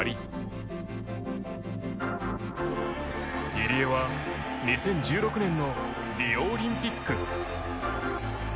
入江は２０１６年のリオオリンピック